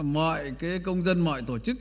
mọi cái công dân mọi tổ chức